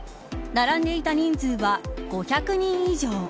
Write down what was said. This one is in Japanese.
並んでいた人数は５００人以上。